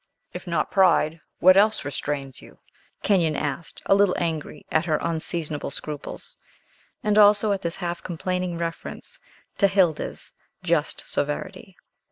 "If not pride, what else restrains you?" Kenyon asked, a little angry at her unseasonable scruples, and also at this half complaining reference to Hilda's just severity.